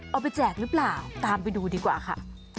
ไปแจกหรือเปล่าตามไปดูดีกว่าค่ะ